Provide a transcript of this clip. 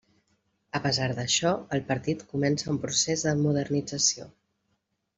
A pesar d'això, el partit comença un procés de modernització.